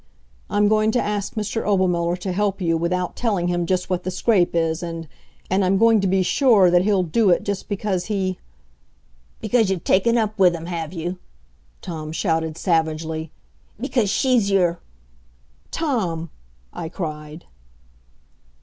I'm going to ask Mr. Obermuller to help you without telling him just what the scrape is, and and I'm going to be sure that he'll do it just because he " "Because you've taken up with him, have you?" Tom shouted savagely. "Because she's your " "Tom!" I cried.